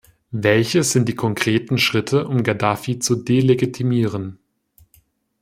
Welche sind die konkreten Schritte, um Gaddafi zu delegitimieren?